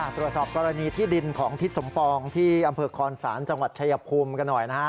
ตรวจสอบกรณีที่ดินของทิศสมปองที่อำเภอคอนศาลจังหวัดชายภูมิกันหน่อยนะฮะ